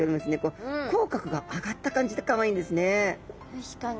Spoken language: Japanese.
確かに。